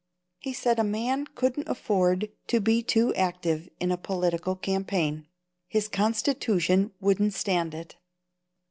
He said a man couldn't afford to be too active in a political campaign. His constitution wouldn't stand it.